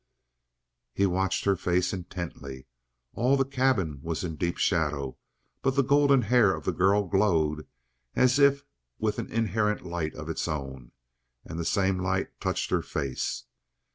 He watched her face intently. All the cabin was in deep shadow, but the golden hair of the girl glowed as if with an inherent light of its own, and the same light touched her face.